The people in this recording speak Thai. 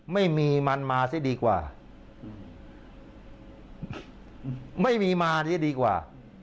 ไม่มีมันมาซะดีกว่าไม่มีมาซะดีกว่า